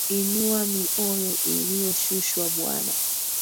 Inua mioyo iliyoshushwa bwana